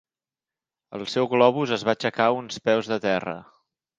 El seu globus es va aixecar uns peus del terra.